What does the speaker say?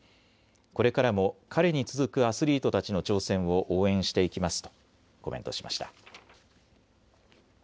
これからも彼に続くアスリートたちの挑戦を応援していきますとコメントしました。